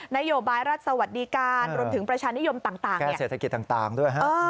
นโยบายรัฐสวัสดิการรวมถึงประชานิยมต่างแก้เศรษฐกิจต่างด้วยฮะ